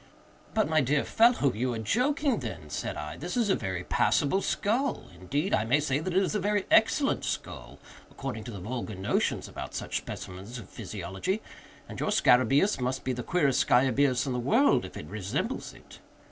"But, my dear fellow, you are joking then," said I, "this is a very passable skull—indeed, I may say that it is a very excellent skull, according to the vulgar notions about such specimens of physiology—and your scarabæus must be the queerest scarabæus in the world if it resembles it.